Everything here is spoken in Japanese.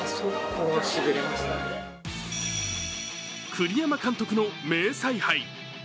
栗山監督の名采配。